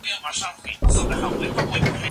ډېر خلک د علم په ارزښت پوهېږي.